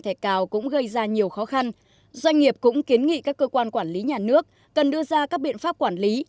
thẻ cào cũng gây ra nhiều khó khăn doanh nghiệp cũng kiến nghị các cơ quan quản lý nhà nước cần đưa ra các biện pháp quản lý